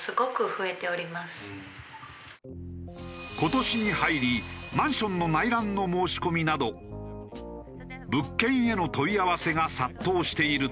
今年に入りマンションの内覧の申し込みなど物件への問い合わせが殺到しているという。